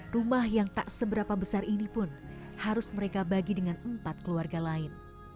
rumah yang tak seberapa besar ini pun harus mereka bagi dengan empat keluarga lain